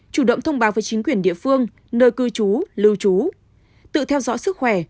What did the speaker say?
chủ động thông báo với chính quyền địa phương nơi cư chú lưu chú tự theo dõi sức khỏe